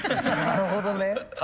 なるほどね。